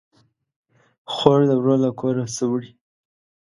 خور ده ورور له کوره سه وړي